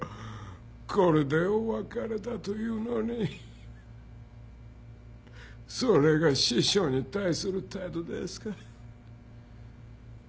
これでお別れだというのにそれが師匠に対する態度ですか？